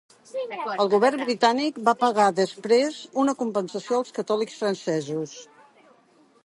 El govern britànic va pagar després una compensació als catòlics francesos.